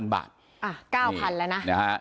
๙๐๐๐บาทแล้วนะ